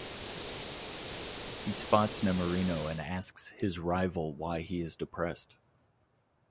He spots Nemorino and asks his rival why he is depressed.